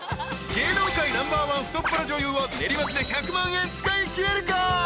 ［芸能界ナンバーワン太っ腹女優は練馬区で１００万円使いきれるか？］